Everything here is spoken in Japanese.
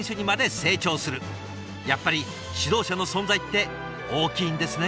やっぱり指導者の存在って大きいんですね。